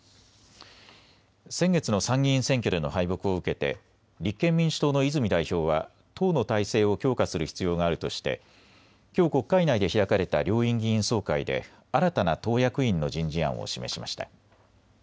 先月の参議院選挙での敗北を受けて立憲民主党の泉代表は党の体制を強化する必要があるとしてきょう国会内で開かれた両院議員総会で新たな党役員の人事案を示しました。